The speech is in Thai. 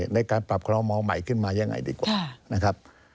ในการปรับควรมองค์ใหม่ขึ้นมายังไงดีกว่า